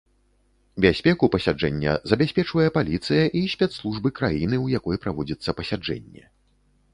Бяспеку пасяджэння забяспечвае паліцыя і спецслужбы краіны, у якой праводзіцца пасяджэнне.